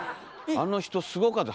あの人すごかった